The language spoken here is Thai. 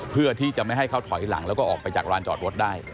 เพื่อที่จะไม่ให้เขาถอยหลังแล้วก็ออกไปจากร้านจอดรถได้